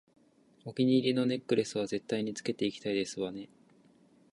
お気に入りのネックレスは絶対につけていきたいですわね